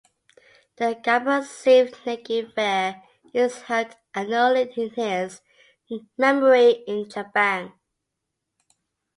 The Gabar Singh Negi Fair is held annually in his memory in Chamba.